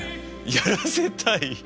やらせたい？